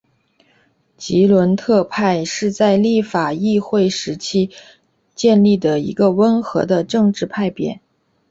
吉伦特派是在立法议会时期建立的一个温和的政治派别。